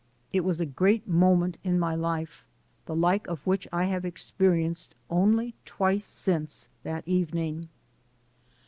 It was a great moment in my life, the like of which I have experienced only twice since that evening.